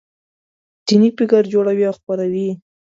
دیني فکر جوړوي او خپروي یې.